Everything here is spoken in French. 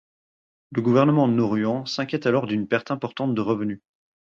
Le gouvernement nauruan s'inquiète alors d'une perte importante de revenus.